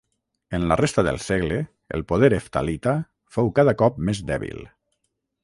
En la resta del segle el poder heftalita fou cada cop més dèbil.